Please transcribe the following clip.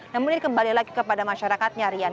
namun ini kembali lagi kepada masyarakatnya rian